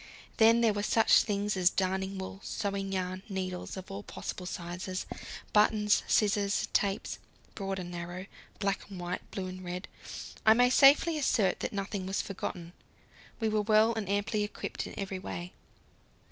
Then there were such things as darning wool, sewing yarn, needles of all possible sizes, buttons, scissors, tapes broad and narrow, black and white, blue and red. I may safely assert that nothing was forgotten; we were well and amply equipped in every way.